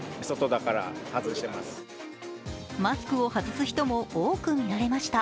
マスクを外す人も多く見られました。